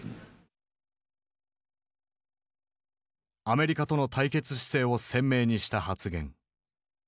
アメリカとの対決姿勢を鮮明にした発言。